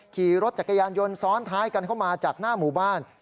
ขี่รถจักรยานยนต์ซ้อนท้ายกันเข้ามาจากหน้าหมู่บ้าน